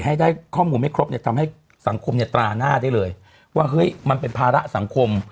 ให้ได้ข้อมูลไม่ครบเนี่ยทำให้สังคมเนี่ยตราหน้าได้เลยว่าเฮ้ยมันเป็นภาระสังคม